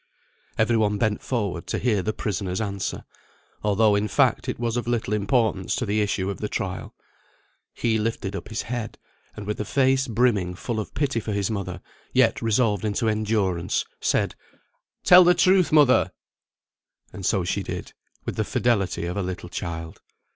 Every one bent forward to hear the prisoner's answer; although, in fact, it was of little importance to the issue of the trial. He lifted up his head; and with a face brimming full of pity for his mother, yet resolved into endurance, said, "Tell the truth, mother!" And so she did, with the fidelity of a little child.